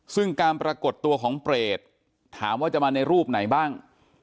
ซึ่งการปรากฏตัวของเปรตถามว่าจะมาในรูปไหนบ้าง